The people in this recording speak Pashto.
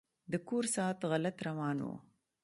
د کور ساعت غلط روان و.